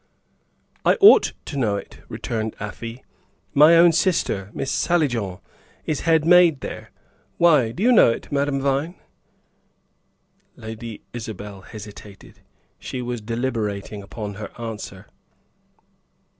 "I ought to know it," returned Afy. "My own sister, Miss Hallijohn, is head maid there. Why, do you know it, Madame Vine?" Lady Isabel hesitated; she was deliberating upon her answer.